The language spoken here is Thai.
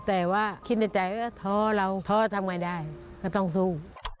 แต่ว่าคิดในใจว่าท้อเราท้อทำไงได้ก็ต้องสู้